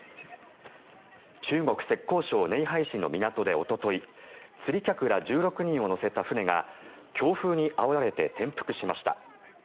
中国・浙江省寧波市の港でおととい釣り客ら１６人を乗せた船が強風にあおられて転覆しました。